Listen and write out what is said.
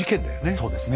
そうですね。